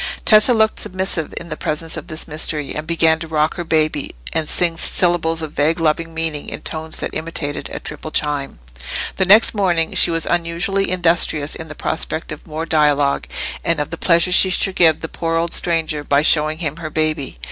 Tessa looked submissive in the presence of this mystery, and began to rock her baby, and sing syllables of vague loving meaning, in tones that imitated a triple chime. The next morning she was unusually industrious in the prospect of more dialogue, and of the pleasure she should give the poor old stranger by showing him her baby.